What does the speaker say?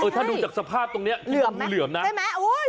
ถ้าดูจากสภาพตรงเนี้ยว่าหูเหลือมนะ